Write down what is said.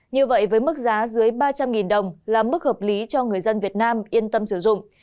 như vậy với mức giá dưới ba trăm linh đồng là mức hợp lý cho người dân việt nam yên tâm sử dụng